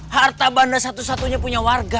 harta banda satu satunya punya warga